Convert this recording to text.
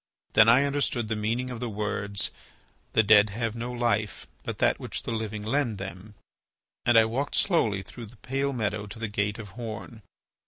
Then I understood the meaning of the words, "The dead have no life, but that which the living lend them," and I walked slowly through the pale meadow to the gate of horn.